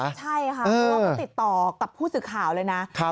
ใช่ค่ะตัวก็ติดต่อกับผู้สื่อข่าวเลยนะ